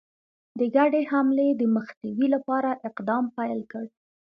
د ګډي حملې د مخنیوي لپاره اقدام پیل کړ.